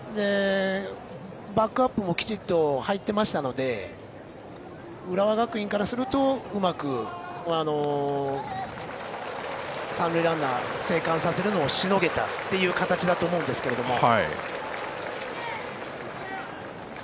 バックアップもきちっと入っていましたので浦和学院からするとうまく三塁ランナーを生還させるのをしのげたという形だと思うんですけれども。